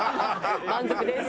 満足です。